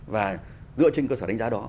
và dựa trên cơ sở đánh giá đó